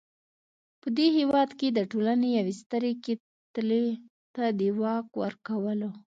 په دې هېواد کې د ټولنې یوې سترې کتلې ته د واک ورکولو.